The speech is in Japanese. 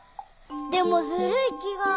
でもズルいきが。